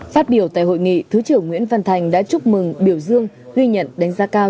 phát biểu tại hội nghị thứ trưởng nguyễn văn thành đã chúc mừng biểu dương ghi nhận đánh giá cao